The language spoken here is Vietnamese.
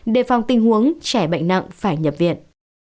đề phòng tình huống trẻ bệnh nặng phải nhập viện